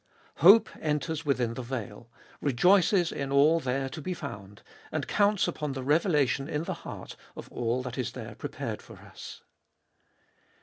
2. Hope enters within the veil, rejoices in all there to be found, and counts upon the revelation in the heart of all that is there prepared for us.